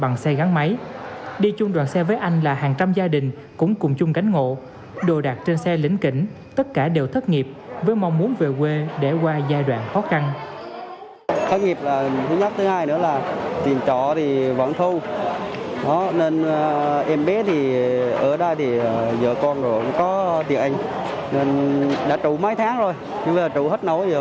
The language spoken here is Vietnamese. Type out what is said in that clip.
nên đã trụ mấy tháng rồi nhưng mà trụ hết nấu giờ phải về vợ thôi